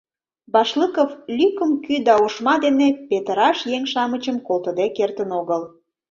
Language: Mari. Башлыков лӱкым кӱ да ошма дене петыраш еҥ-шамычым колтыде кертын огыл.